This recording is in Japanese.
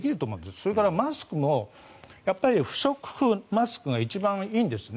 それからマスクも不織布マスクが一番いいんです。